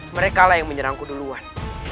mereka lah yang menyerangku duluan